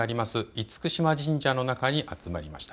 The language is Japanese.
厳島神社の中に集まりました。